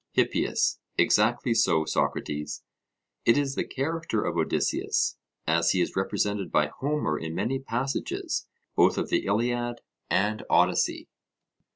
HIPPIAS: Exactly so, Socrates; it is the character of Odysseus, as he is represented by Homer in many passages both of the Iliad and Odyssey.